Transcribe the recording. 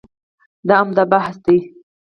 دا عمده بحث دی.